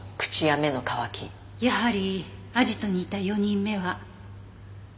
やはりアジトにいた４人目は。